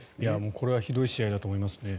これはひどい試合だと思いますね。